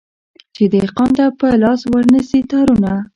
چي دهقان ته په لاس ورنه سي تارونه